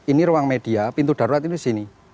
ini ruang media pintu darurat ini di sini